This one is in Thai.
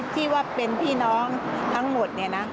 ที่ว่าเป็นพี่น้องทั้งหมดเนี่ยนะ